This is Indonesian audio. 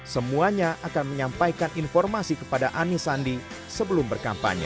semuanya akan menyampaikan informasi kepada anis sandi sebelum berkampanye